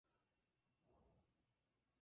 Ayudó a St.